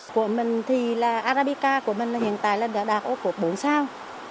của mình thì là arabica của mình hiện tại là đã đạt ô cốt bốn sao